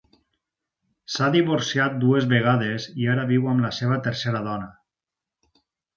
S'ha divorciat dues vegades i ara viu amb la seva tercera dona.